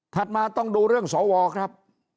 มาต้องดูเรื่องสวครับ